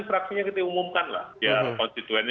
fraksinya kita umumkan lah biar konstituennya